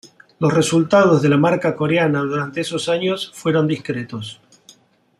Los resultados de la marca Coreana durante esos años fueron discretos.